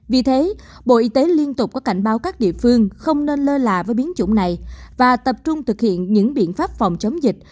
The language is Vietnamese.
vì thế bộ y tế liên tục có cảnh báo các địa phương không nên lơ là với biến chủng này và tập trung thực hiện những biện pháp phòng chống dịch